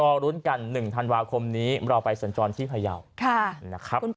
จอรุ้นกัน๑ธันวาคมนี้เราไปสัญจรที่ไพร่าว